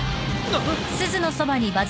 あっ！